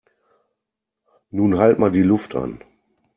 Nun halt mal die Luft an!